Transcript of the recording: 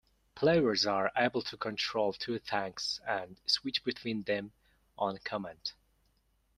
Players are able to control two tanks and switch between them on command.